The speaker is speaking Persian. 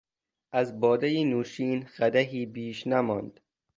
از بادهی نوشین قدحی بیش نماند...